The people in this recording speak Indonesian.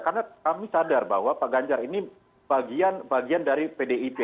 karena kami sadar bahwa pak ganjar ini bagian dari pdip